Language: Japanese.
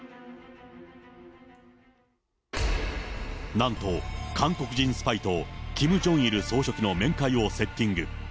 なんと韓国人スパイと、キム・ジョンイル総書記の面会をセッティング。